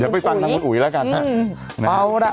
เดี๋ยวไปฟังทางคุณอุ๋ยแล้วกันฮะ